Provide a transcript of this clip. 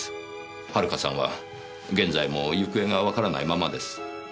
遥さんは現在も行方がわからないままです。